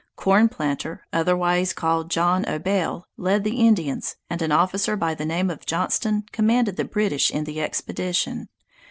Corn Planter, otherwise called John O'Bail, led the Indians, and an officer by the name of Johnston commanded the British in the expedition.